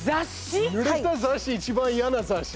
ぬれた雑誌一番嫌な雑誌。